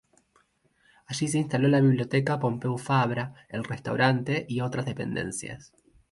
Allí se instaló la biblioteca "Pompeu Fabra", el restaurante y otras dependencias.